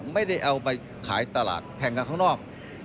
ไม่ได้เอาไปขายตลาดแข่งกันข้างนอก